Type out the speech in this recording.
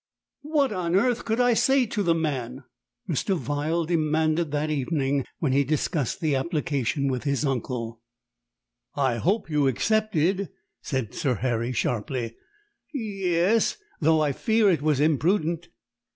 "What on earth could I say to the man?" Mr. Vyell demanded that evening, when he discussed the application with his uncle. "I hope you accepted?" said Sir Harry sharply. "Ye es, though I fear it was imprudent."